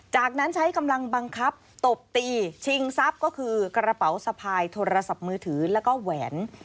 จากนั้นใช้กำลังบังคับตบตีชิงทรัพย์ก็คือกระเป๋าสะพายโทรศัพท์มือถือแล้วก็แหวน